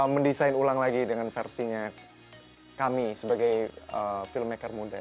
mendesain ulang lagi dengan versinya kami sebagai filmmaker muda